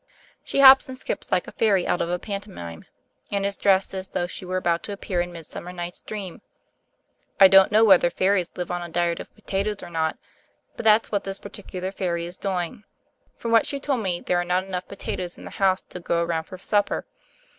She hops and skips like a fairy out of a pantomime, and is dressed as though she were about to appear in Midsummer Night's Dream. I don't know whether fairies live on a diet of potatoes or not, but that's what this particular fairy is doing. From what she told me, there are not enough potatoes in the house to go around for supper.